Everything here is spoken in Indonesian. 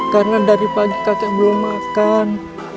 karena dari pagi kakek belum makan